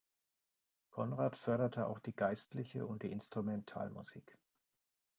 Konrad förderte auch die geistliche und die Instrumentalmusik.